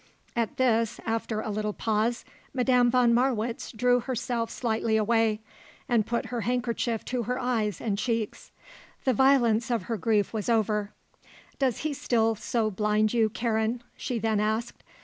At this, after a little pause, Madame von Marwitz drew herself slightly away and put her handkerchief to her eyes and cheeks. The violence of her grief was over. "Does he still so blind you, Karen?" she then asked.